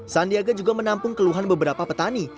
sandiaga juga menampung keluhan beberapa petani